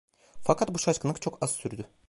Fakat bu şaşkınlık çok az sürdü.